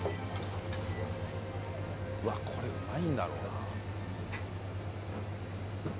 うわっこれうまいんだろうな。